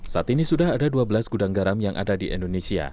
saat ini sudah ada dua belas gudang garam yang ada di indonesia